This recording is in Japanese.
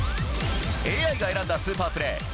ＡＩが選んだスーパープレー。